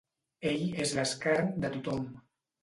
Ell és l'escarn de tothom.